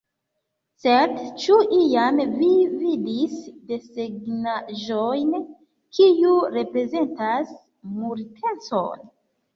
Sed, ĉu iam vi vidis desegnaĵon kiu reprezentas Multecon?